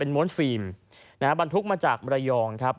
เป็นม้วนฟิล์มนะฮะบรรทุกมาจากระยองครับ